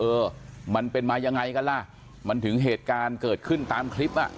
เออมันเป็นมายังไงกันล่ะมันถึงเหตุการณ์เกิดขึ้นตามคลิปอ่ะ